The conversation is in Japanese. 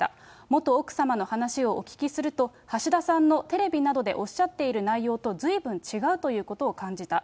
元奥様の話をお聞きすると、橋田さんのテレビなどでおっしゃっている内容とずいぶん違うということを感じた。